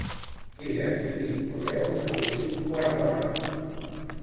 Digues si tinc correus de l'últim quart d'hora.